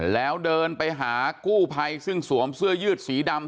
แล้วเดินไปหากู้ภัยซึ่งสวมเสื้อยืดสีดำ